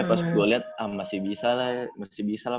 eh pas gue liat ah masih bisa lah ya masih bisa lah